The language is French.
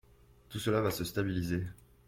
Tout cela va se stabiliser.